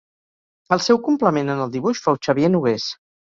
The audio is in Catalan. El seu complement en el dibuix fou Xavier Nogués.